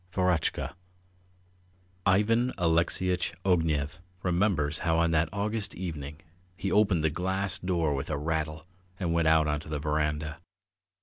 VEROTCHKA IVAN ALEXEYITCH OGNEV remembers how on that August evening he opened the glass door with a rattle and went out on to the verandah.